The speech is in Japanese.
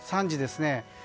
３時ですね。